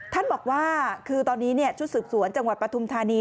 ท่านบอกว่าคือตอนนี้ชุดสืบสวนจังหวัดปฐุมธานี